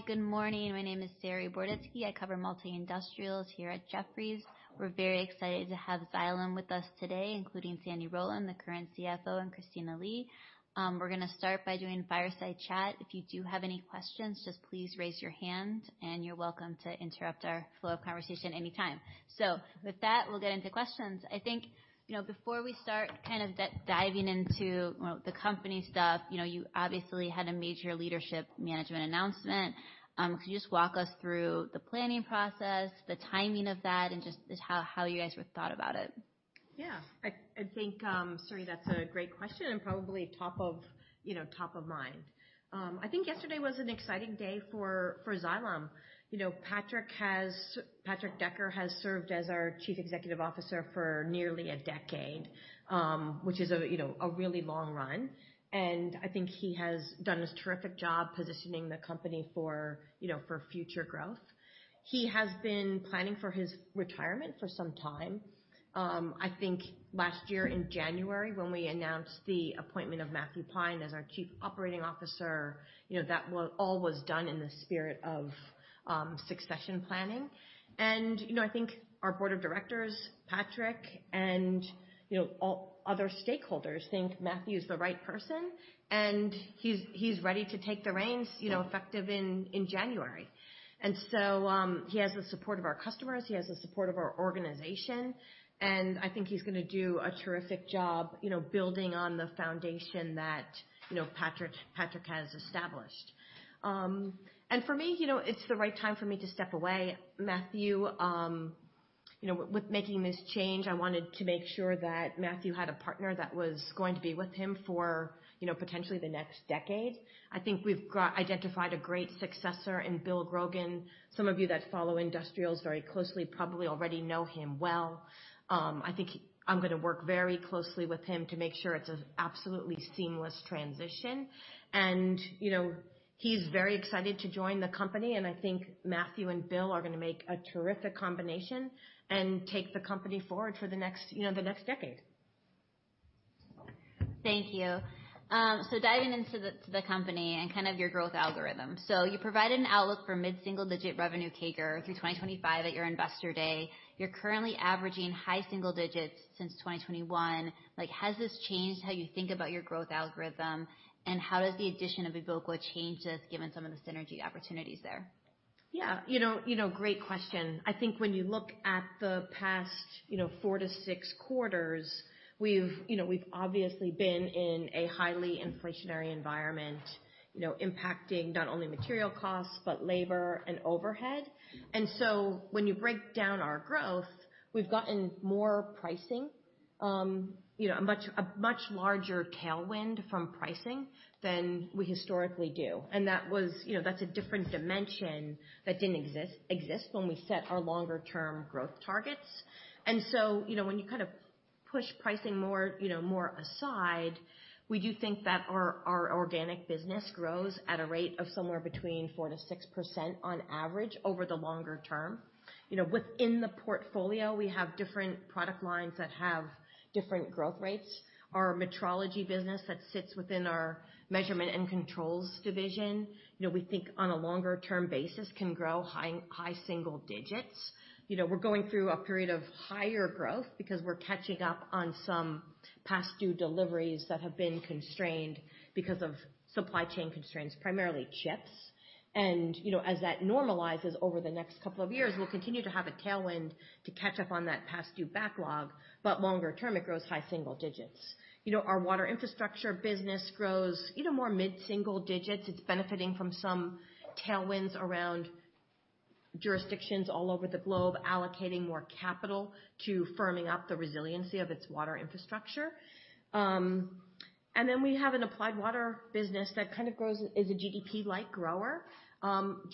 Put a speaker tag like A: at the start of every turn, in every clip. A: Hi, good morning. My name is Saree Boroditsky. I cover multi-industrials here at Jefferies. We're very excited to have Xylem with us today, including Sandy Rowland, the current CFO, and Kristina Lee. We're gonna start by doing fireside chat. If you do have any questions, just please raise your hand, and you're welcome to interrupt our flow of conversation anytime. So with that, we'll get into questions. I think, you know, before we start kind of diving into, well, the company stuff, you know, you obviously had a major leadership management announcement. Could you just walk us through the planning process, the timing of that, and just how, how you guys sort of thought about it?
B: Yeah. I think, Saree, that's a great question, and probably top of, you know, top of mind. I think yesterday was an exciting day for Xylem. You know, Patrick Decker has served as our Chief Executive Officer for nearly a decade, which is a, you know, a really long run, and I think he has done a terrific job positioning the company for, you know, future growth. He has been planning for his retirement for some time. I think last year in January, when we announced the appointment of Matthew Pine as our Chief Operating Officer, you know, that was all done in the spirit of succession planning. You know, I think our board of directors, Patrick, and, you know, all other stakeholders think Matthew is the right person, and he's ready to take the reins, you know, effective in January. So, he has the support of our customers, he has the support of our organization, and I think he's gonna do a terrific job, you know, building on the foundation that, you know, Patrick has established. And for me, you know, it's the right time for me to step away. Matthew... You know, with making this change, I wanted to make sure that Matthew had a partner that was going to be with him for, you know, potentially the next decade. I think we've identified a great successor in Bill Grogan. Some of you that follow industrials very closely probably already know him well. I think I'm gonna work very closely with him to make sure it's an absolutely seamless transition. You know, he's very excited to join the company, and I think Matthew and Bill are gonna make a terrific combination and take the company forward for the next, you know, the next decade.
A: Thank you. So diving into the company and kind of your growth algorithm. You provided an outlook for mid-single-digit revenue CAGR through 2025 at your Investor Day. You're currently averaging high single digits since 2021. Like, has this changed how you think about your growth algorithm, and how does the addition of Evoqua change this, given some of the synergy opportunities there?
B: Yeah. You know, you know, great question. I think when you look at the past, you know, 4-6 quarters, we've, you know, we've obviously been in a highly inflationary environment, you know, impacting not only material costs, but labor and overhead. And so when you break down our growth, we've gotten more pricing, you know, a much larger tailwind from pricing than we historically do. And that was. You know, that's a different dimension that didn't exist when we set our longer term growth targets. And so, you know, when you kind of push pricing more, you know, more aside, we do think that our organic business grows at a rate of somewhere between 4%-6% on average over the longer term. You know, within the portfolio, we have different product lines that have different growth rates. Our metrology business that sits within our Measurement and Controls division, you know, we think on a longer term basis, can grow high single digits. You know, we're going through a period of higher growth because we're catching up on some past due deliveries that have been constrained because of supply chain constraints, primarily chips. You know, as that normalizes over the next couple of years, we'll continue to have a tailwind to catch up on that past due backlog, but longer term, it grows high single digits. You know, our water infrastructure business grows, you know, more mid-single digits. It's benefiting from some tailwinds around jurisdictions all over the globe, allocating more capital to firming up the resiliency of its water infrastructure. And then we have an Applied Water business that kind of grows as a GDP-like grower,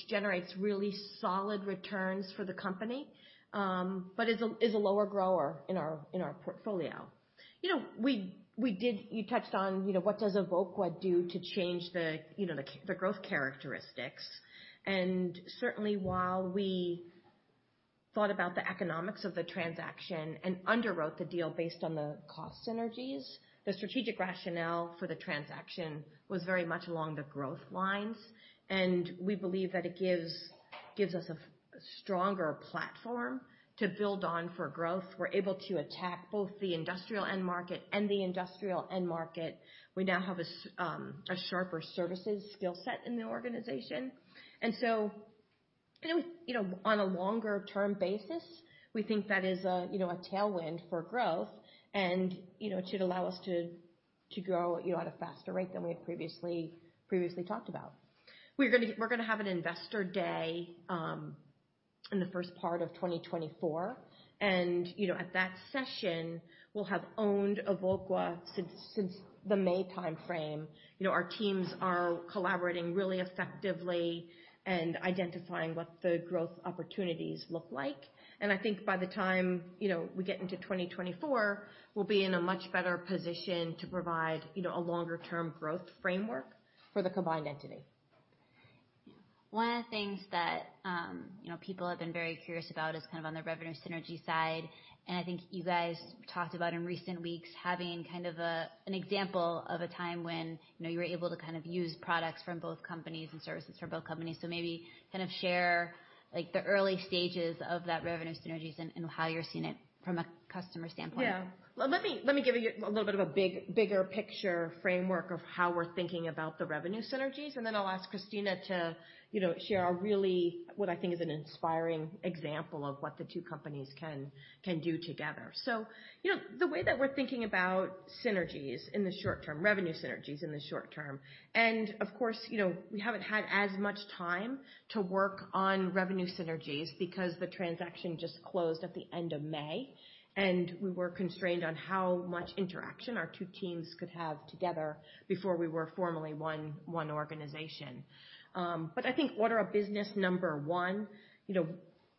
B: generates really solid returns for the company, but is a lower grower in our portfolio. You know, you touched on, you know, what does Evoqua do to change the growth characteristics? And certainly, while we thought about the economics of the transaction and underwrote the deal based on the cost synergies, the strategic rationale for the transaction was very much along the growth lines, and we believe that it gives us a stronger platform to build on for growth. We're able to attack both the [municipal] end market and the industrial end market. We now have a sharper services skill set in the organization. So, you know, on a longer term basis, we think that is a tailwind for growth, and, you know, it should allow us to grow at a faster rate than we had previously talked about. We're gonna have an Investor Day in the first part of 2024, and, you know, at that session, we'll have owned Evoqua since the May timeframe. You know, our teams are collaborating really effectively and identifying what the growth opportunities look like. I think by the time, you know, we get into 2024, we'll be in a much better position to provide a longer term growth framework for the combined entity.
A: One of the things people have been very curious about is kind of on the revenue synergy side, and I think you guys talked about in recent weeks, having kind of an example of a time when, you know, you were able to kind of use products from both companies and services from both companies. So maybe kind of share, like, the early stages of that revenue synergies and how you're seeing it from a customer standpoint.
B: Yeah. Well, let me give you a little bit of a bigger picture framework of how we're thinking about the revenue synergies, and then I'll ask Kristina to, you know, share a really, what I think is an inspiring example of what the two companies can do together. So, you know, the way that we're thinking about synergies in the short term, revenue synergies in the short term, and of course, you know, we haven't had as much time to work on revenue synergies because the transaction just closed at the end of May, and we were constrained on how much interaction our two teams could have together before we were formally one organization. But I think order of business number one: you know,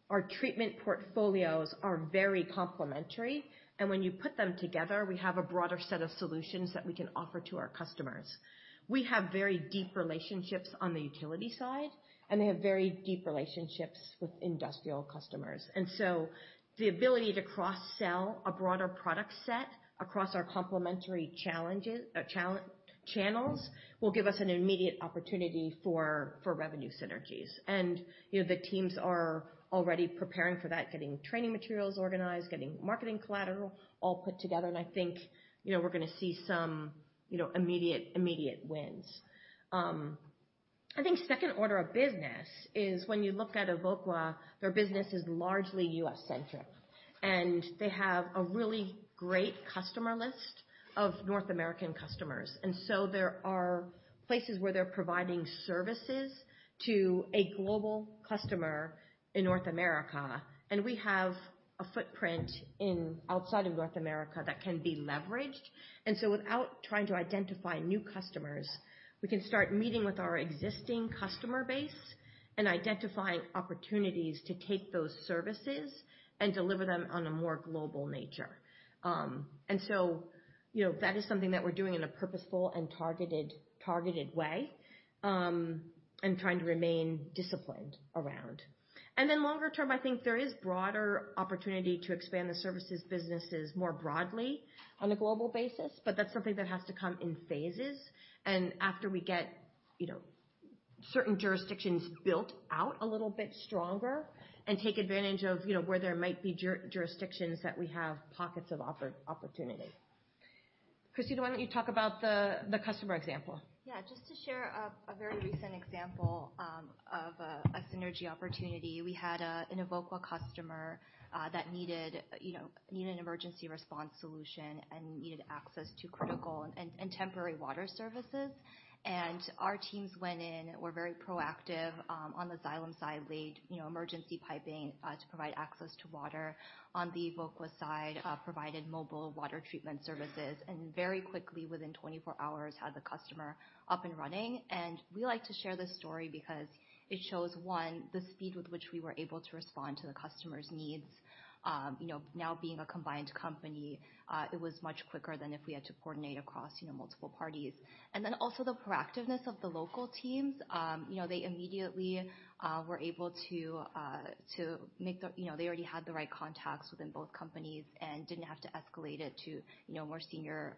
B: our treatment portfolios are very complementary, and when you put them together, we have a broader set of solutions that we can offer to our customers. We have very deep relationships on the utility side, and they have very deep relationships with industrial customers. And so the ability to cross-sell a broader product set across our complementary challenges, channels, will give us an immediate opportunity for revenue synergies. And, you know, the teams are already preparing for that, getting training materials organized, getting marketing collateral all put together, and I think, you know, we're gonna see some, you know, immediate wins. I think second order of business is when you look at Evoqua, their business is largely U.S.-centric, and they have a really great customer list of North American customers. And so there are places where they're providing services to a global customer in North America, and we have a footprint in outside of North America that can be leveraged. And so without trying to identify new customers, we can start meeting with our existing customer base and identifying opportunities to take those services and deliver them on a more global nature. And so, you know, that is something that we're doing in a purposeful and targeted way, and trying to remain disciplined around. And then longer term, I think there is broader opportunity to expand the services businesses more broadly on a global basis, but that's something that has to come in phases. And after we get, you know, certain jurisdictions built out a little bit stronger and take advantage of, you know, where there might be jurisdictions that we have pockets of opportunity. Kristina, why don't you talk about the customer example?
C: Yeah, just to share a very recent example of a synergy opportunity. We had an Evoqua customer that needed, you know, needed an emergency response solution and needed access to critical and temporary water services. And our teams went in, were very proactive on the Xylem side, laid, you know, emergency piping to provide access to water. On the Evoqua side provided mobile water treatment services, and very quickly, within 24 hours, had the customer up and running. And we like to share this story because it shows, one, the speed with which we were able to respond to the customer's needs. You know, now being a combined company, it was much quicker than if we had to coordinate across, you know, multiple parties. And then also the proactiveness of the local teams. You know, they immediately were able to. You know, they already had the right contacts within both companies and didn't have to escalate it to, you know, more senior.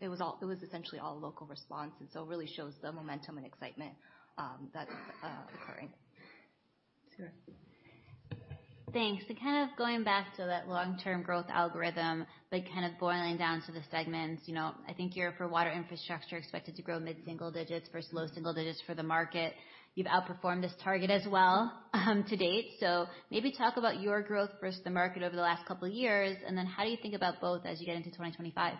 C: It was essentially all local response, and so it really shows the momentum and excitement that's occurring.
B: Sure.
A: Thanks. So kind of going back to that long-term growth algorithm, but kind of boiling down to the segments. You know, I think you're, for Water Infrastructure, expected to grow mid-single digits versus low single digits for the market. You've outperformed this target as well, to date. So maybe talk about your growth versus the market over the last couple of years, and then how do you think about both as you get into 2025?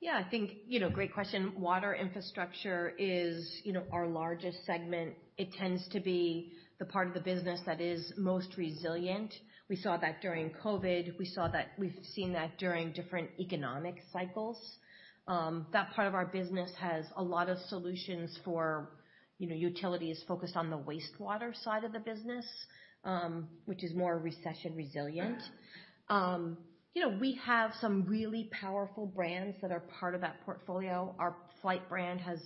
B: Yeah, I think, you know, great question. Water Infrastructure is, you know, our largest segment. It tends to be the part of the business that is most resilient. We saw that during COVID. We saw that, we've seen that during different economic cycles. That part of our business has a lot of solutions for, you know, utilities focused on the wastewater side of the business, which is more recession-resilient. You know, we have some really powerful brands that are part of that portfolio. Our Flygt brand has,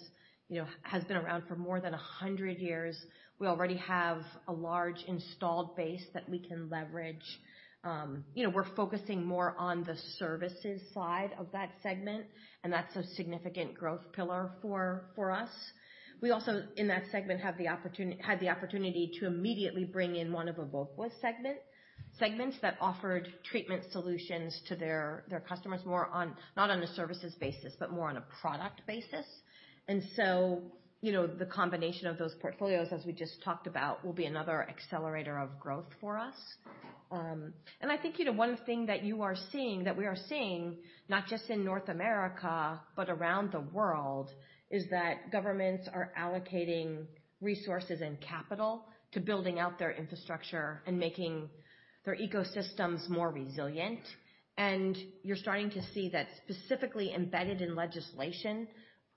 B: you know, has been around for more than 100 years. We already have a large installed base that we can leverage. You know, we're focusing more on the services side of that segment, and that's a significant growth pillar for us. We also, in that segment, have the opportunity, had the opportunity to immediately bring in one of Evoqua's segments that offered treatment solutions to their customers, more on, not on a services basis, but more on a product basis. And so, you know, the combination of those portfolios, as we just talked about, will be another accelerator of growth for us. And I think, you know, one thing that you are seeing, that we are seeing, not just in North America, but around the world, is that governments are allocating resources and capital to building out their infrastructure and making their ecosystems more resilient. And you're starting to see that specifically embedded in legislation,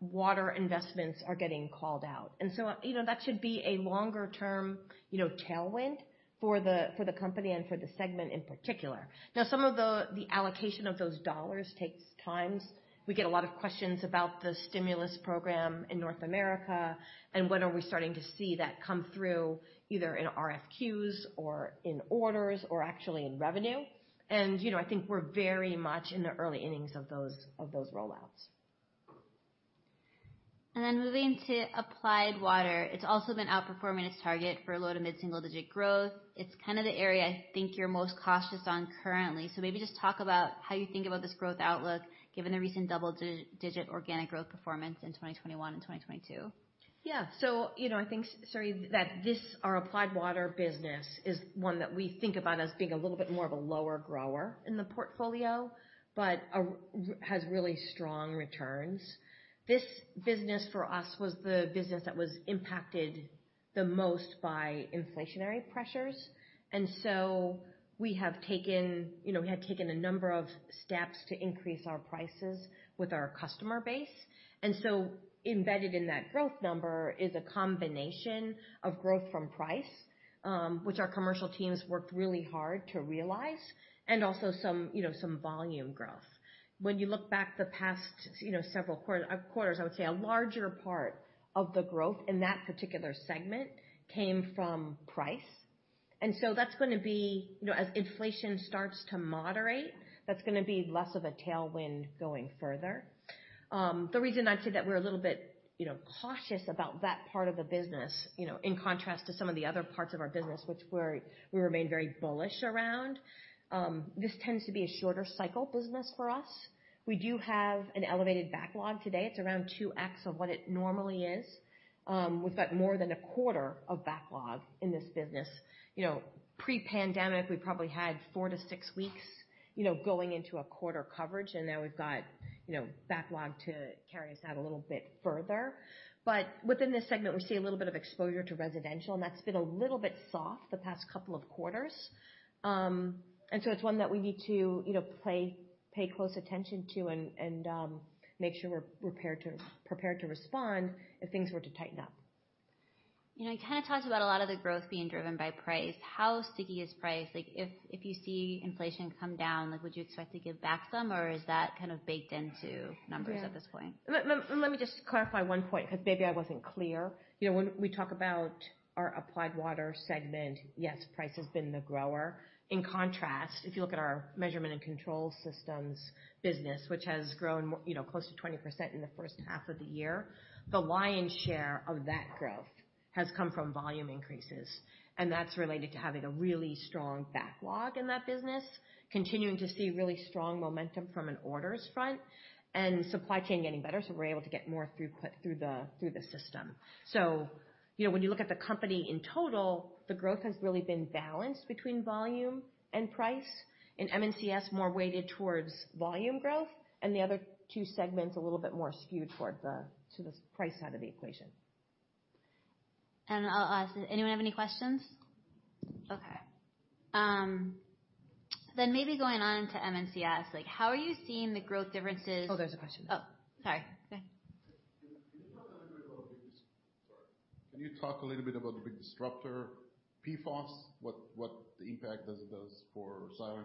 B: water investments are getting called out. And so, you know, that should be a longer term, you know, tailwind... for the company and for the segment in particular. Now, some of the allocation of those dollars takes time. We get a lot of questions about the stimulus program in North America, and when are we starting to see that come through, either in RFQs or in orders or actually in revenue. And, you know, I think we're very much in the early innings of those rollouts.
A: And then moving to Applied Water. It's also been outperforming its target for a low to mid-single-digit growth. It's kind of the area I think you're most cautious on currently. So maybe just talk about how you think about this growth outlook, given the recent double-digit organic growth performance in 2021 and 2022.
B: Yeah. So, you know, I think, sorry, that this, our Applied Water business, is one that we think about as being a little bit more of a lower grower in the portfolio, but has really strong returns. This business, for us, was the business that was impacted the most by inflationary pressures. And so we have taken, you know, we have taken a number of steps to increase our prices with our customer base. And so embedded in that growth number is a combination of growth from price, which our commercial teams worked really hard to realize, and also some, you know, some volume growth. When you look back the past, you know, several quarters, I would say a larger part of the growth in that particular segment came from price. And so that's gonna be, you know, as inflation starts to moderate, that's gonna be less of a tailwind going further. The reason I'd say that we're a little bit, you know, cautious about that part of the business, you know, in contrast to some of the other parts of our business, which we remain very bullish around, this tends to be a shorter cycle business for us. We do have an elevated backlog today. It's around 2x of what it normally is. We've got more than a quarter of backlog in this business. You know, pre-pandemic, we probably had 4-6 weeks, you know, going into a quarter coverage, and now we've got, you know, backlog to carry us out a little bit further. But within this segment, we see a little bit of exposure to residential, and that's been a little bit soft the past couple of quarters. And so it's one that we need to, you know, pay close attention to and make sure we're prepared to respond if things were to tighten up.
A: You know, you kind of talked about a lot of the growth being driven by price. How sticky is price? Like, if you see inflation come down, like, would you expect to give back some, or is that kind of baked into numbers at this point?
B: Let me just clarify one point, because maybe I wasn't clear. You know, when we talk about our Applied Water segment, yes, price has been the grower. In contrast, if you look at our measurement and control systems business, which has grown more, you know, close to 20% in the first half of the year, the lion's share of that growth has come from volume increases, and that's related to having a really strong backlog in that business, continuing to see really strong momentum from an orders front and supply chain getting better, so we're able to get more throughput through the system. So, you know, when you look at the company in total, the growth has really been balanced between volume and price. In M&CS, more weighted towards volume growth, and the other two segments, a little bit more skewed towards the price side of the equation.
A: I'll ask, anyone have any questions? Okay. Then maybe going on to M&CS, like, how are you seeing the growth differences-
B: Oh, there's a question.
A: Oh, sorry. Go ahead.
D: Can you talk a little bit about the big disruptor, PFAS? Sorry. What, what the impact does it does for Xylem?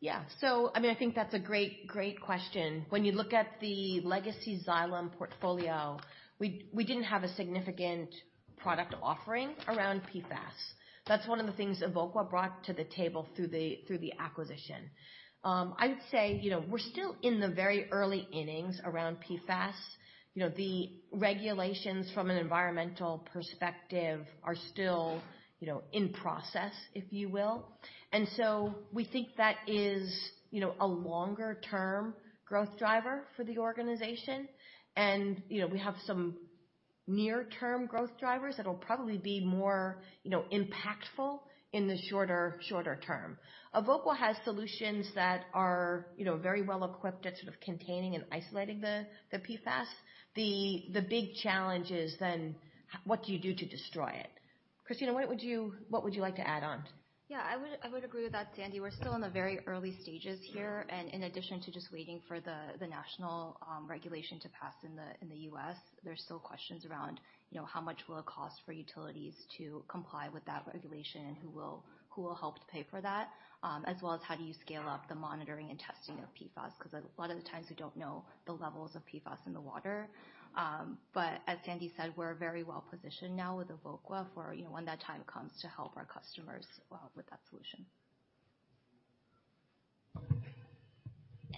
B: Yeah. So, I mean, I think that's a great, great question. When you look at the legacy Xylem portfolio, we didn't have a significant product offering around PFAS. That's one of the things Evoqua brought to the table through the acquisition. I would say, you know, we're still in the very early innings around PFAS. You know, the regulations from an environmental perspective are still, you know, in process, if you will. And so we think that is, you know, a longer-term growth driver for the organization. And, you know, we have some near-term growth drivers that'll probably be more, you know, impactful in the shorter term. Evoqua has solutions that are, you know, very well equipped at sort of containing and isolating the PFAS. The big challenge is then, what do you do to destroy it? Kristina, what would you like to add on?
C: Yeah, I would, I would agree with that, Sandy. We're still in the very early stages here, and in addition to just waiting for the national regulation to pass in the U.S., there's still questions around, you know, how much will it cost for utilities to comply with that regulation, and who will, who will help to pay for that, as well as how do you scale up the monitoring and testing of PFAS? Because a lot of the times, we don't know the levels of PFAS in the water. But as Sandy said, we're very well positioned now with Evoqua for, you know, when that time comes, to help our customers with that solution.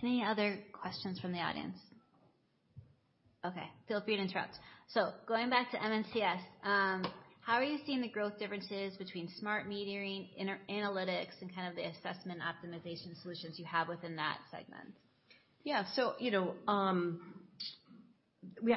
A: Any other questions from the audience? Okay, feel free to interrupt. So going back to M&CS, how are you seeing the growth differences between smart metering, and analytics, and kind of the assessment optimization solutions you have within that segment?
B: Yeah. So, you know,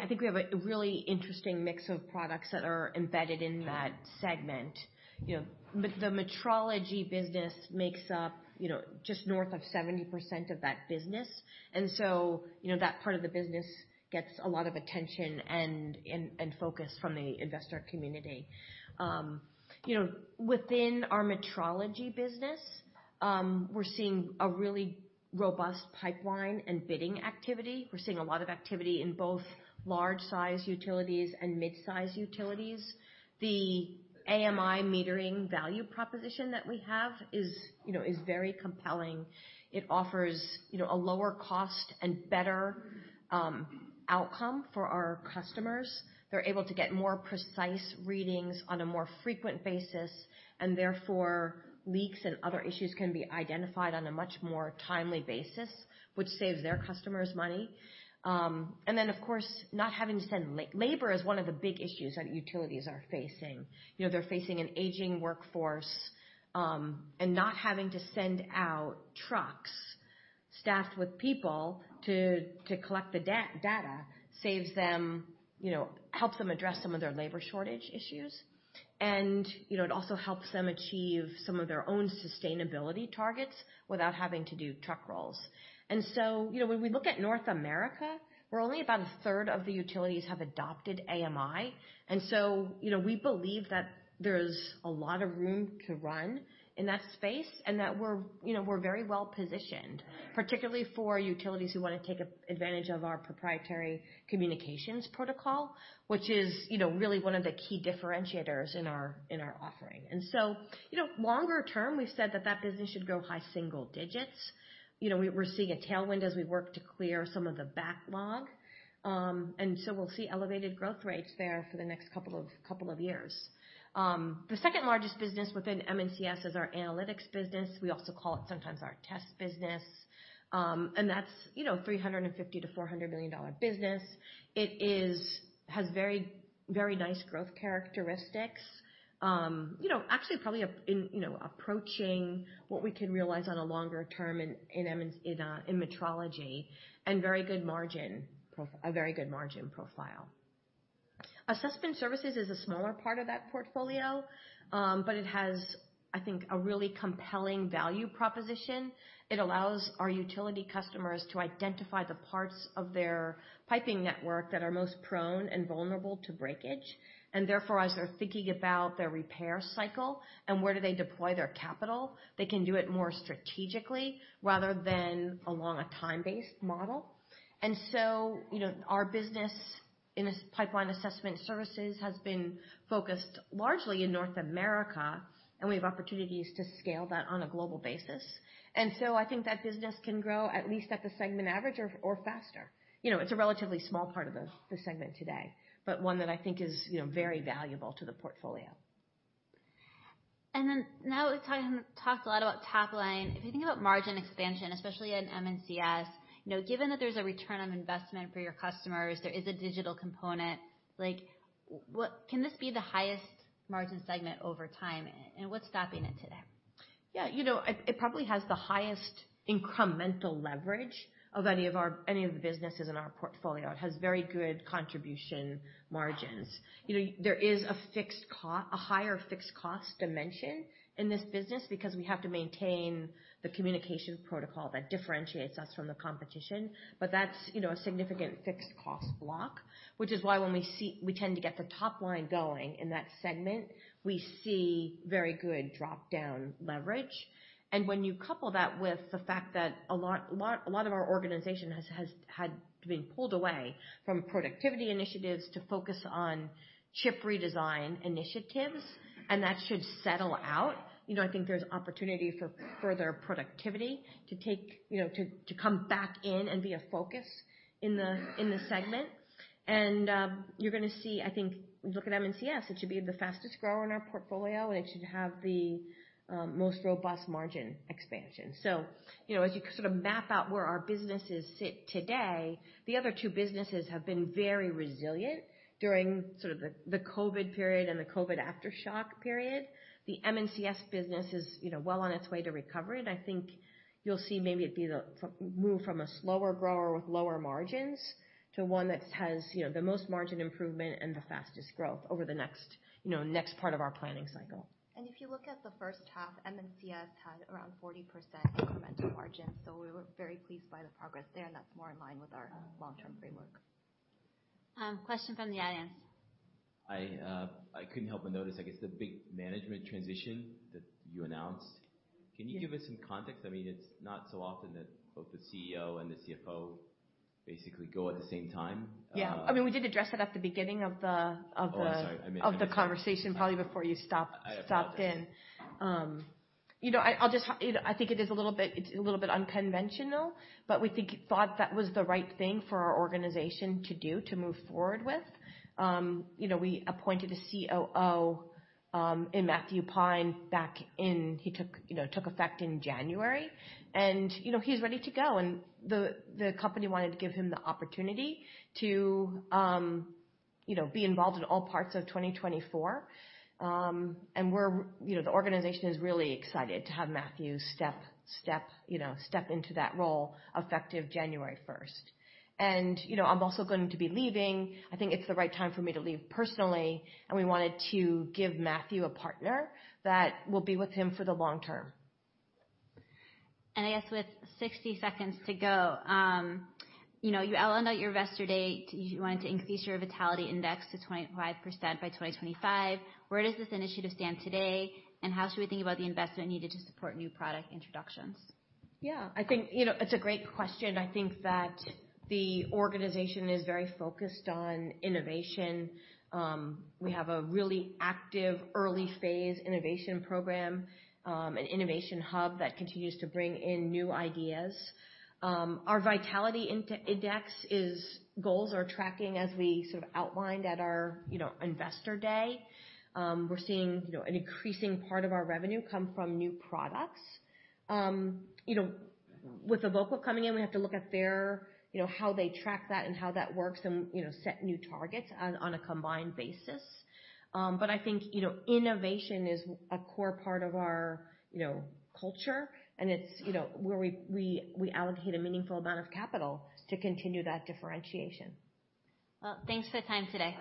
B: I think we have a really interesting mix of products that are embedded in that segment. You know, the metrology business makes up, you know, just north of 70% of that business. And so, you know, that part of the business gets a lot of attention and focus from the investor community. You know, within our metrology business, we're seeing a really robust pipeline and bidding activity. We're seeing a lot of activity in both large-sized utilities and mid-sized utilities. The AMI metering value proposition that we have is, you know, is very compelling. It offers, you know, a lower cost and better outcome for our customers. They're able to get more precise readings on a more frequent basis, and therefore, leaks and other issues can be identified on a much more timely basis, which saves their customers money. And then, of course, not having to send labor is one of the big issues that utilities are facing. You know, they're facing an aging workforce, and not having to send out trucks staffed with people to collect the data saves them, you know, helps them address some of their labor shortage issues. And, you know, it also helps them achieve some of their own sustainability targets without having to do truck rolls. And so, you know, when we look at North America, where only about 1/3 of the utilities have adopted AMI, and so, you know, we believe that there's a lot of room to run in that space, and that we're, you know, we're very well positioned, particularly for utilities who wanna take advantage of our proprietary communications protocol, which is, you know, really one of the key differentiators in our offering. And so, you know, longer term, we've said that that business should grow high single digits. You know, we're seeing a tailwind as we work to clear some of the backlog. And so we'll see elevated growth rates there for the next couple of years. The second largest business within M&CS is our analytics business. We also call it sometimes our test business. And that's, you know, a $350 million-$400 million business. It is-- has very, very nice growth characteristics. You know, actually, probably up in, you know, approaching what we can realize on a longer term in metrology, and very good margin prof-- a very good margin profile. Assessment services is a smaller part of that portfolio, but it has, I think, a really compelling value proposition. It allows our utility customers to identify the parts of their piping network that are most prone and vulnerable to breakage, and therefore, as they're thinking about their repair cycle and where do they deploy their capital, they can do it more strategically, rather than along a time-based model. And so, you know, our business in this pipeline assessment services has been focused largely in North America, and we have opportunities to scale that on a global basis. And so I think that business can grow at least at the segment average or faster. You know, it's a relatively small part of the segment today, but one that I think is, you know, very valuable to the portfolio.
A: And then, now we've talked, talked a lot about top line. If you think about margin expansion, especially in M&CS, you know, given that there's a return on investment for your customers, there is a digital component, like, what can this be the highest margin segment over time, and what's stopping it today?
B: Yeah, you know, it probably has the highest incremental leverage of any of the businesses in our portfolio. It has very good contribution margins. You know, there is a higher fixed cost dimension in this business because we have to maintain the communication protocol that differentiates us from the competition. But that's, you know, a significant fixed cost block, which is why when we tend to get the top line going in that segment, we see very good drop-down leverage. And when you couple that with the fact that a lot of our organization has had been pulled away from productivity initiatives to focus on chip redesign initiatives, and that should settle out, you know, I think there's opportunity for further productivity to take... You know, to, to come back in and be a focus in the, in the segment. And, you're gonna see, I think, look at M&CS, it should be the fastest grower in our portfolio, and it should have the, most robust margin expansion. So, you know, as you sort of map out where our businesses sit today, the other two businesses have been very resilient during sort of the, the COVID period and the COVID aftershock period. The M&CS business is, you know, well on its way to recovery, and I think you'll see maybe it be the, from move from a slower grower with lower margins to one that has, you know, the most margin improvement and the fastest growth over the next, you know, next part of our planning cycle. If you look at the first half, M&CS had around 40% incremental margin, so we were very pleased by the progress there, and that's more in line with our long-term framework.
A: Question from the audience.
E: I, I couldn't help but notice, I guess, the big management transition that you announced.
B: Yes.
E: Can you give us some context? I mean, it's not so often that both the CEO and the CFO basically go at the same time.
B: Yeah. I mean, we did address it at the beginning of the-
E: Oh, I'm sorry, I mean-
B: Of the conversation, probably before you stopped-
E: I apologize.
B: You know, I think it is a little bit unconventional, but we thought that was the right thing for our organization to do to move forward with. You know, we appointed a COO in Matthew Pine back in. He took effect in January. And you know, he's ready to go, and the company wanted to give him the opportunity to be involved in all parts of 2024. And you know, the organization is really excited to have Matthew step into that role, effective January 1st. And you know, I'm also going to be leaving. I think it's the right time for me to leave personally, and we wanted to give Matthew a partner that will be with him for the long term.
A: I guess with 60 seconds to go, you know, you outlined out your Investor Day, you wanted to increase your Vitality Index to 25% by 2025. Where does this initiative stand today, and how should we think about the investment needed to support new product introductions?
B: Yeah, I think, you know, it's a great question. I think that the organization is very focused on innovation. We have a really active early-phase innovation program, an innovation hub that continues to bring in new ideas. Our Vitality Index goals are tracking as we sort of outlined at our, you know, Investor Day. We're seeing, you know, an increasing part of our revenue come from new products. You know, with Evoqua coming in, we have to look at their, you know, how they track that and how that works and, you know, set new targets on a combined basis. But I think, you know, innovation is a core part of our, you know, culture, and it's, you know, where we allocate a meaningful amount of capital to continue that differentiation.
A: Well, thanks for the time today.